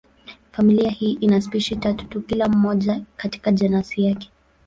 Familia hii ina spishi tatu tu, kila moja katika jenasi yake.